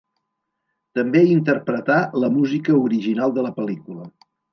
També interpretà la música original de la pel·lícula.